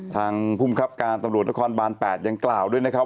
ทางภูมิครับการตำรวจนครบาน๘ยังกล่าวด้วยนะครับ